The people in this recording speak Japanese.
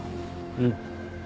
うん。